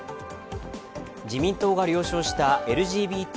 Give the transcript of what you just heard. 自民党が了承したＬＧＢＴ